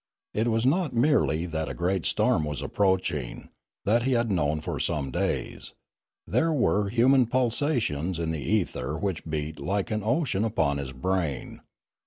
It was not merely that a great storm was approaching; that he had known for some days. There were human pulsations in the ether which beat like an ocean upon his brain.